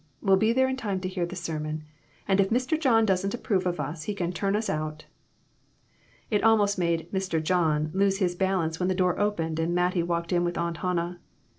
We'll be there in time to hear the sermon ; and if Mr. John doesn't approve of us he can turn us out." It almost made "Mr. John" lose his balance when the door opened and Mattie walked in with Aunt Hannah.